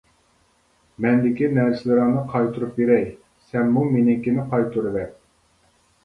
-مەندىكى نەرسىلىرىڭنى قايتۇرۇپ بېرەي، سەنمۇ مېنىڭكىنى قايتۇرۇۋەت.